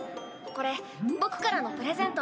これ僕からのプレゼント。